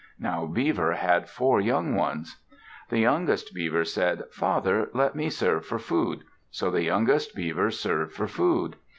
Now Beaver had four young ones. The youngest Beaver said, "Father, let me serve for food." So the youngest Beaver served for food.